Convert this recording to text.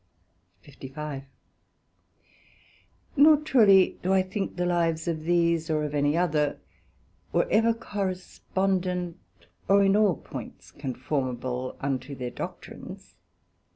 SECT.55 Nor truely do I think the lives of these or of any other, were ever correspondent, or in all points conformable unto their doctrines.